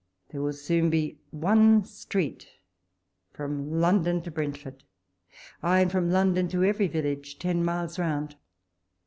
There will soon be one street from London to Brentford ; ay, and from Lon don to every village ten miles round